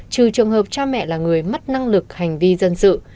trừ trường hợp cha mẹ là người mất năng lực hành vi dân sự